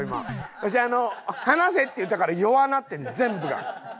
わし「離せ」って言うたから弱なってん全部が。